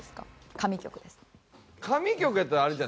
神曲です。